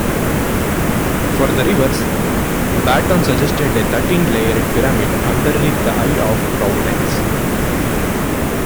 For the reverse, Barton suggested a thirteen-layered pyramid underneath the Eye of Providence.